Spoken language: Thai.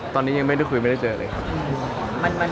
ตอนนี้ยังไม่ได้คุยมีแบบัน